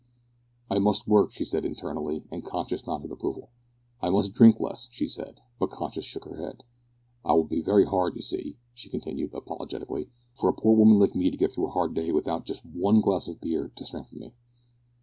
"I must work," she said, internally, and conscience nodded approval. "I must drink less," she said, but conscience shook her head. "It will be very hard, you see," she continued, apologetically, "for a poor woman like me to get through a hard day without just one glass of beer to strengthen me."